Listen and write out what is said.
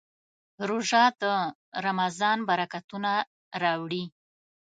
روژه د رمضان برکتونه راوړي.